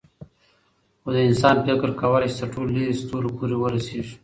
خو د انسان فکر کولی شي تر ټولو لیرې ستورو پورې ورسېږي.